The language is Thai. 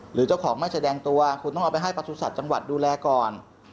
หรือเจ้าของไม่แสดงตัวคุณต้องเอาไปให้ประสุทธิ์จังหวัดดูแลก่อน